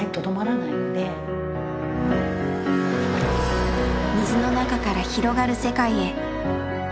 水の中から広がる世界へ。